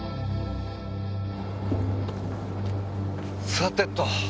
さてと。